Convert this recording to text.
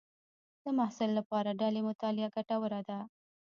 د محصل لپاره ډلې مطالعه ګټوره ده.